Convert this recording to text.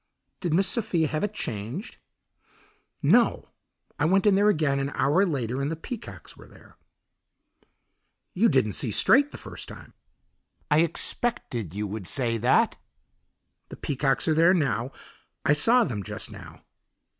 "Did Miss Sophia have it changed?" "No. I went in there again an hour later and the peacocks were there." "You didn't see straight the first time." "I expected you would say that." "The peacocks are there now; I saw them just now."